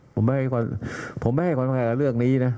ผมไม่ให้คนมากับเรื่องนี้นะ